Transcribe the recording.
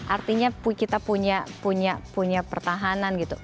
artinya kita punya pertahanan gitu